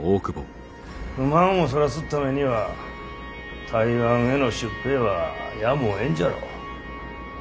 不満をそらすっためには台湾への出兵はやむをえんじゃろう。